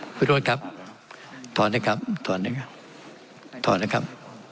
คุณวิโรธครับถอนด้วยครับถอนด้วยครับถอนด้วยครับ